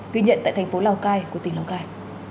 ghi nhận tại thành phố lào cai của tỉnh lào cai